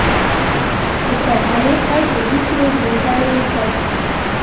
د کرهالې خړ د بوسو بوساړې ساتي